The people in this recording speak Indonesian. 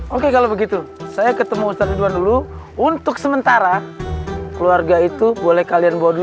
oke kalau begitu saya ketemu ustadz ridwan dulu untuk sementara keluarga itu boleh kalian bawa dulu